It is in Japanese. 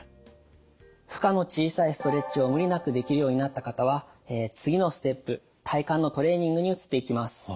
負荷の小さいストレッチを無理なくできるようになった方は次のステップ体幹のトレーニングに移っていきます。